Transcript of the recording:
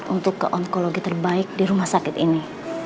untuk ke onkologi terbaik di rumah sakit ini